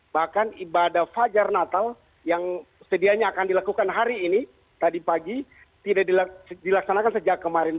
bahkan ibadah fajar natal yang sedianya akan dilakukan hari ini tadi pagi tidak dilaksanakan sejak kemarin